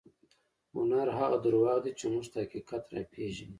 هنر هغه درواغ دي چې موږ ته حقیقت راپېژني.